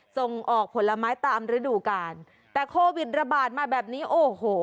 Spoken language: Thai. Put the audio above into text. ส่งออกผลไม้ตามฤดูกาลแต่โควิดระบาดมาแบบนี้โอ้โห